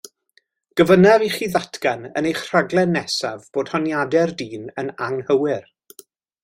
Gofynnaf i chi ddatgan yn eich rhaglen nesaf bod honiadau'r dyn yn anghywir.